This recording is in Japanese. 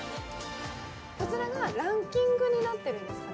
こちらがランキングになってるんですかね？